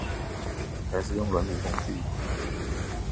還是用軟體工具